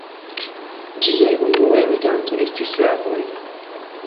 Ĝiaj unuaj loĝantoj estis slavoj.